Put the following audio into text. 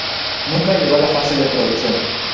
Nunca llegó a la fase de producción.